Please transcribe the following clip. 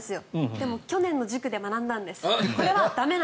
でも去年の塾で学んだんです。